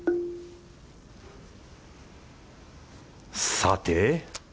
さて。